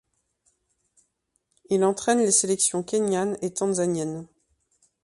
Il entraîne les sélections kényanes et tanzaniennes.